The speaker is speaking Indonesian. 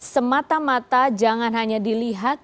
semata mata jangan hanya dilihat